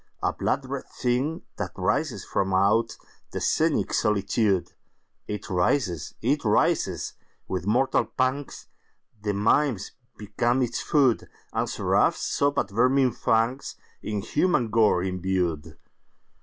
A blood red thing that writhes from outThe scenic solitude! It writhes!—it writhes!—with mortal pangsThe mimes become its food, And seraphs sob at vermin fangsIn human gore imbued.